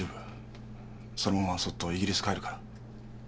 そのままそっとイギリス帰るから。